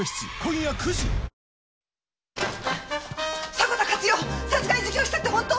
迫田勝代殺害自供したって本当！？